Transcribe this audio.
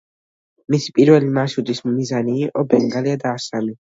მისი პირველი მარშრუტის მიზანი იყო ბენგალია და ასამი.